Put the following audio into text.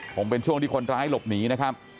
คงเป็นช่วงที่คนร้ายหลบหนีนะครับ